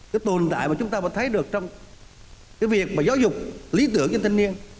cái tồn tại mà chúng ta vẫn thấy được trong cái việc mà giáo dục lý tưởng cho thanh niên